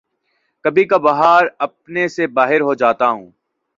کبھی کبھار آپے سے باہر ہو جاتا ہوں